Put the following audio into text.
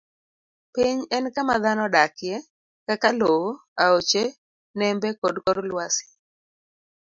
Piny en kama dhano odakie, kaka lowo, aoche, nembe, kod kor lwasi.